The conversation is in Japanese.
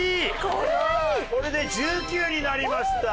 これで１９になりました。